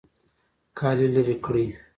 کالي لرې کړئ